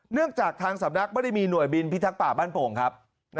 จากทางสำนักไม่ได้มีหน่วยบินพิทักษ์ป่าบ้านโป่งครับ